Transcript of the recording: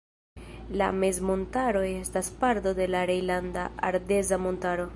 La mezmontaro estas parto de la Rejnlanda Ardeza montaro.